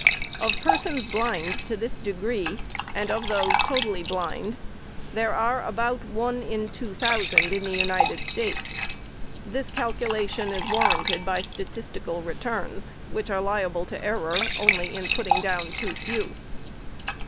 Of persons blind to this degree, and of those totally blind, there are about one in two thousand in the United States. This calculation is warranted by statistical returns, which are liable to error, only in putting down too few.